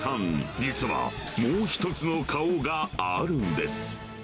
実は、もう一つの顔があるんです。